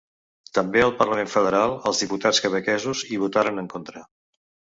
També al parlament federal els diputats quebequesos hi votaren en contra.